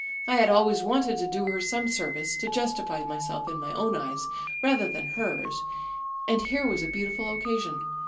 I had always wanted to do her some service, to justify myself in my own eyes rather than hers; and here was a beautiful occasion.